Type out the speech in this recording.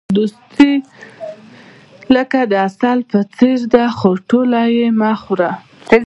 دوستي لکه د عسل په څېر ده، خو ټوله یې مه خوره.